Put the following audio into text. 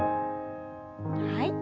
はい。